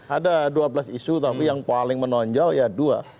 ada dua belas isu tapi yang paling menonjol ya dua